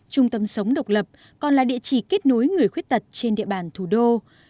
trung tâm sống độc lập còn là địa chỉ kết nối người khuyết tật trên địa bàn thủ đô